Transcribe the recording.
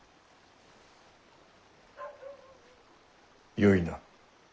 よいな。